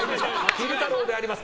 昼太郎であります。